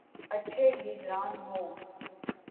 اچھے لیڈران ہوں۔